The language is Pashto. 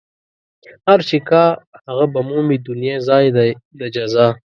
هر چې کا هغه به مومي دنيا ځای دئ د جزا